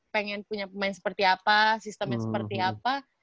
pengen punya pemain seperti apa sistemnya seperti apa